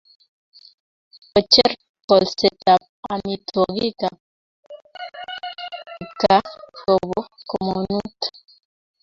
Kocher kolsetab amitwogikab kipkaa kobo komonut